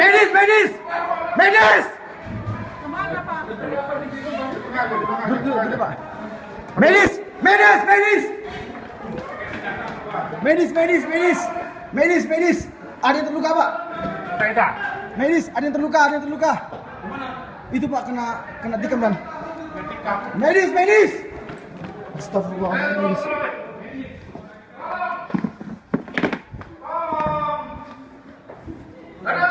terluka mahal melihat menis ada yang terluka ada terluka itu makna kena dikembang medis medis